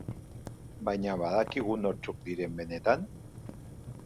Baina badakigu nortzuk diren benetan?